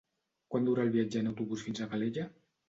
Quant dura el viatge en autobús fins a Calella?